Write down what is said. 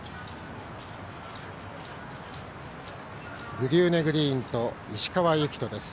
グリューネグリーンと石川裕紀人です。